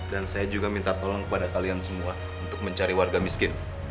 dan saya juga minta tolong kepada kalian semua untuk mencari warga miskin